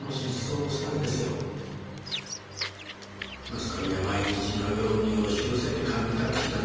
マスコミは毎日のように押し寄せて神隠しだ